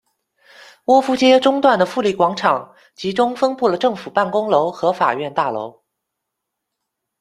窝夫街中段的弗利广场集中分布了政府办公楼和法院大楼。